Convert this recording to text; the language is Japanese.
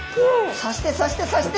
そしてそしてそして。